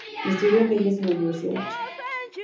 Estudio leyes en la Universidad de Chile.